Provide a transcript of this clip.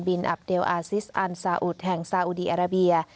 บิลอัพเดลอาซิสอันศาอุทธิ์แห่งสาวูดีอัลราเบีย